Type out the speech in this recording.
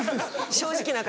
正直な方。